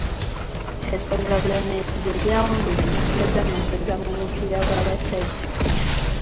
Essaza Bulemeezi lye lyawangudde empaka z'amasaza mu mupiira gw'abasajja.